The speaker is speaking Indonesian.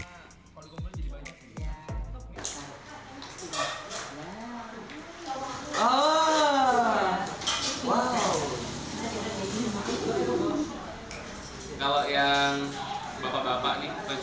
kalau di gomel jadi banyak sih